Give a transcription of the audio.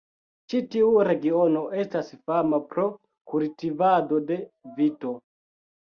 Ĉi tiu regiono estas fama pro kultivado de vito.